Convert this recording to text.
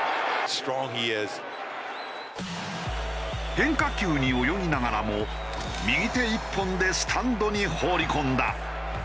変化球に泳ぎながらも右手一本でスタンドに放り込んだ。